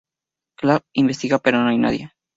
Clark investiga, pero no hay nadie.